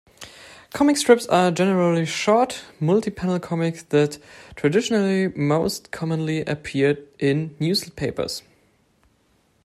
Comic strips are generally short, multipanel comics that traditionally most commonly appeared in newspapers.